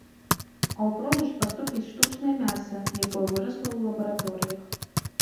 А ў продаж паступіць штучнае мяса, якое вырасла ў лабараторыях.